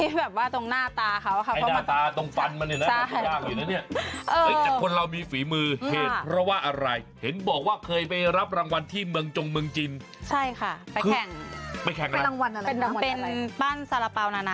เพราะว่าอะไรเห็นบอกว่าเคยไปรับรางวัลที่เมืองจงเมืองจีน